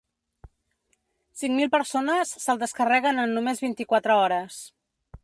Cinc mil persones se’l descarreguen en només vint-i-quatre hores.